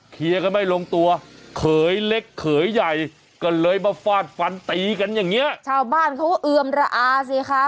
ชาวบ้านเขาเอือมรอ่าสิค่ะ